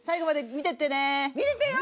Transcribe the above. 見てってよ！